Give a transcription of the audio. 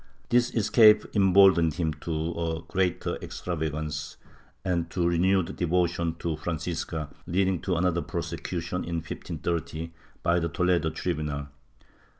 This escape embold ened him to greater extravagance and to renewed devotion to Francisca, leading to another prosecution, in 1530, by the Toledo tribunal.